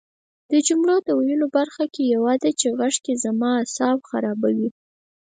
د جملو د ویلو برخه کې یوه ده چې غږ کې زما اعصاب خرابوي